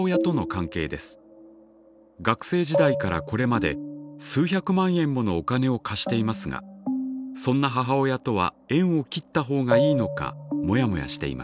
学生時代からこれまで数百万円ものお金を貸していますがそんな母親とは縁を切ったほうがいいのかモヤモヤしています。